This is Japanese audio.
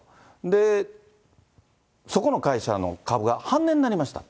で、そこの会社の株が半値になりました。